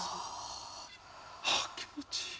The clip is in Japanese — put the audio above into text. ああ気持ちいい。